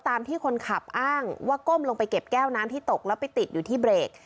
ตามที่คนขับอ้างว่าก้มลงไปเก็บแก้วน้ำที่ตกแล้วไปติดอยู่ที่เบรก